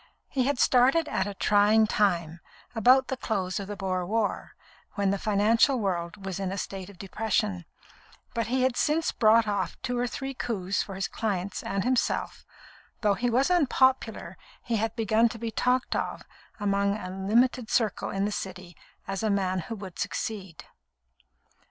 He had started at a trying time, about the close of the Boer war, when the financial world was in a state of depression; but he had since brought off two or three coups for his clients and himself, and though he was unpopular, he had begun to be talked of among a limited circle in the City as a man who would succeed.